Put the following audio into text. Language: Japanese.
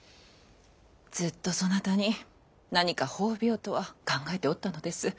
ずっとそなたに何か褒美をとは考えておったのです。